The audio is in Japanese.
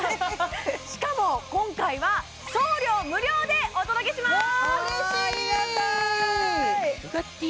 しかも今回は送料無料でお届けします嬉しい！